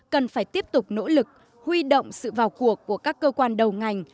cần phải tiếp tục nỗ lực huy động sự vào cuộc của các cơ quan đầu ngành